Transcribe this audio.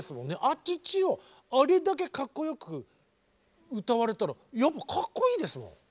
アチチをあれだけかっこよく歌われたらやっぱりかっこいいですもん。